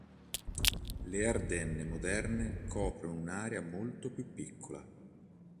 Le Ardenne moderne coprono un'area molto più piccola.